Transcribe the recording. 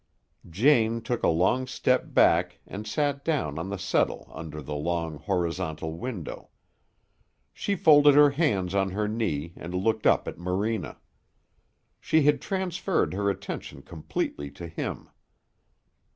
Jane took a long step back and sat down on the settle under the long, horizontal window. She folded her hands on her knee and looked up at Morena. She had transferred her attention completely to him.